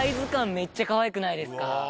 めっちゃかわいくないですか。